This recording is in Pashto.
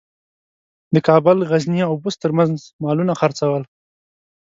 د کابل، غزني او بُست ترمنځ مالونه څرول.